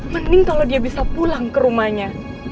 mending kalau dia bisa pulang ke rumahnya